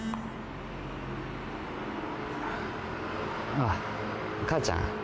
ああ母ちゃん。